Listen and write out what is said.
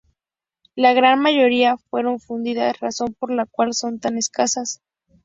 La gran mayoría fueron fundidas, razón por la cual son tan escasas.